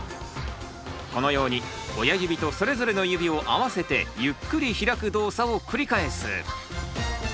このように親指とそれぞれの指を合わせてゆっくり開く動作を繰り返す。